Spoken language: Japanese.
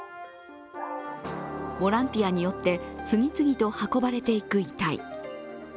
ボランティアによって次々と運ばれていく遺体。